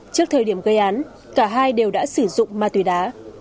trước thời điểm gây án cả hai đều đã sử dụng ma túy đá